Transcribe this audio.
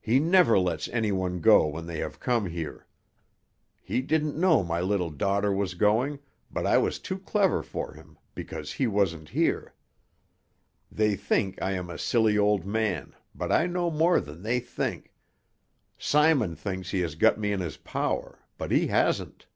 He never lets anyone go when they have come here. He didn't know my little daughter was going, but I was too clever for him, because he wasn't here. They think I am a silly old man, but I know more than they think. Simon thinks he has got me in his power, but he hasn't."